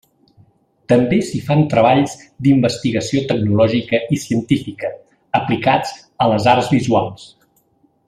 També s'hi fan treballs d'investigació tecnològica i científica, aplicats a les arts visuals.